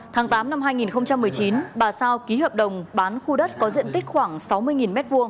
tháng tám năm hai nghìn một mươi chín bà sao ký hợp đồng bán khu đất có diện tích khoảng sáu mươi m hai